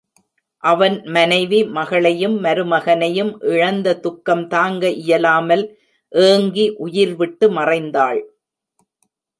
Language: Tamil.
அவன் மனைவி, மகளையும், மருமகனையும் இழந்த துக்கம் தாங்க இயலாமல் ஏங்கி உயிர்விட்டு மறைந்தாள்.